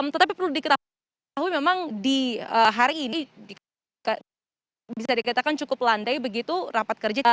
tetapi perlu diketahui memang di hari ini bisa dikatakan cukup landai begitu rapat kerja